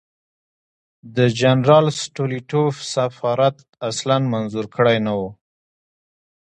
د جنرال سټولیتوف سفارت اصلاً منظور کړی نه وو.